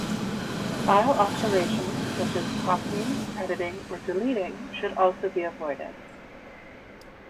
File operations such as copying, editing, or deleting should also be avoided.